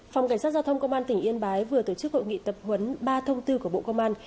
phòng cảnh sát giao thông công an tỉnh yên bái vừa tổ chức hội nghị tập huấn ba thông tư của bộ công an